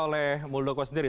oleh muldoko sendiri